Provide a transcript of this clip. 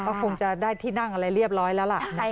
ก็คงจะได้ที่นั่งอะไรเรียบร้อยแล้วล่ะ